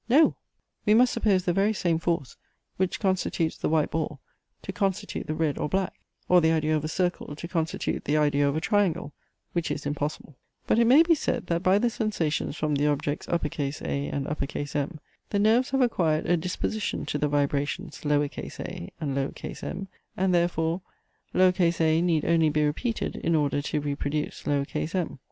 No! we must suppose the very same force, which constitutes the white ball, to constitute the red or black; or the idea of a circle to constitute the idea of a triangle; which is impossible. But it may be said, that by the sensations from the objects A and M, the nerves have acquired a disposition to the vibrations a and m, and therefore a need only be repeated in order to re produce m.